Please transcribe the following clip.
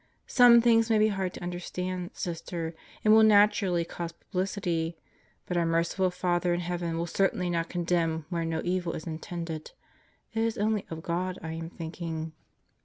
Some things may be hard to understand, Sister, and will naturally cause publicity, but our merciful Father in heaven will certainly not condemn where no evil is intended it is only of God I am thinking.